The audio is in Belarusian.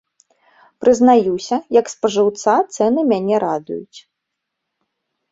Прызнаюся, як спажыўца цэны мяне радуюць.